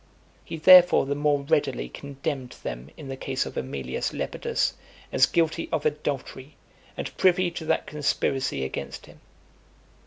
He therefore the more readily condemned them in the case of Aemilius Lepidus, as guilty of adultery, and privy to that conspiracy against him.